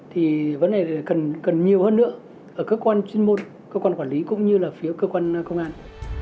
thì vấn đề cần nhiều hơn nữa ở cơ quan chuyên môn cơ quan quản lý cũng như là phía cơ quan công an